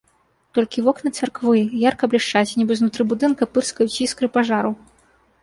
Толькі вокны царквы ярка блішчаць, нібы знутры будынка пырскаюць іскры пажару.